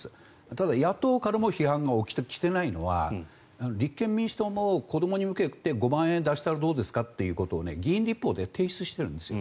ただ、野党からも批判が起きてきていないのは立憲民主党も子どもに向けて５万円出したらどうですかということを議員立法で提出してるんですよ。